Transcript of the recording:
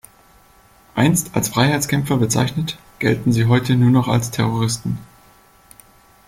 Einst als Freiheitskämpfer bezeichnet, gelten sie heute nur noch als Terroristen.